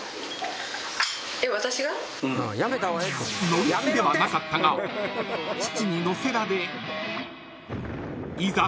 ［乗り気ではなかったが父に乗せられいざ